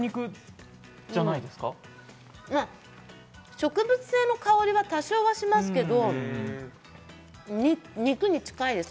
植物性の香りが多少しますけど、肉に近いです。